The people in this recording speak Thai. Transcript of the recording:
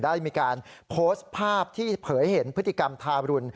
ได้มีการโพสต์ภาพที่เผยเห็นพฤติกรรมทารุณ